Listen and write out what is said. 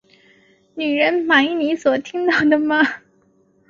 女人，满意你所看到的吗？